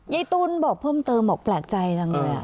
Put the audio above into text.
ยายตุ้นบอกเพิ่มเติมบอกแปลกใจจังเลย